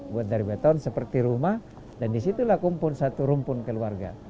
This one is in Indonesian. buat dari beton seperti rumah dan disitulah kumpul satu rumpun keluarga